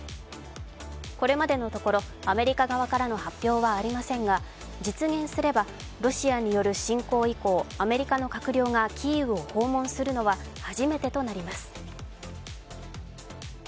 これまでのところ、アメリカ側からの発表はありませんが、実現すればロシアによる侵攻以降、アメリカの閣僚がキーウを訪問するのは初めてとなります。